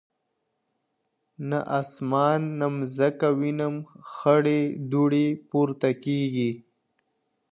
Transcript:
نه اسمان نه مځکه وینم خړي دوړي پورته کېږي!.